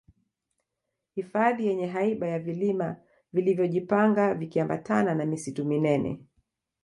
hifadhi yenye haiba ya vilima vilivyo jipanga vikiambatana na misitu minene